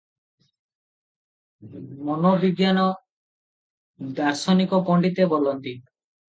ମନୋବିଜ୍ଞାନ ଦାର୍ଶନିକ ପଣ୍ଡିତେ ବୋଲନ୍ତି